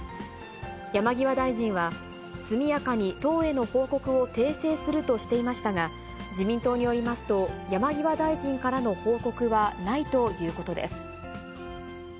山際大臣は、速やかに党への報告を訂正するとしていましたが、自民党によりますと、山際大臣からの報告はないということです。